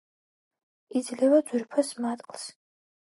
იძლევა ძვირფას მატყლს.